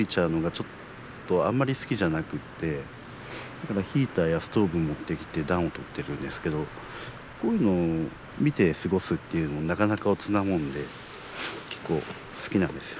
だからヒーターやストーブ持ってきて暖を取ってるんですけどこういうのを見て過ごすっていうのもなかなかオツなもんで結構好きなんですよ。